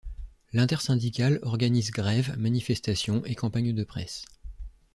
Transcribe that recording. L'intersyndicale organise grève, manifestations et campagne de presse.